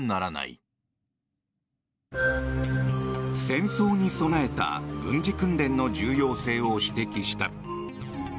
戦争に備えた軍事訓練の重要性を指摘した。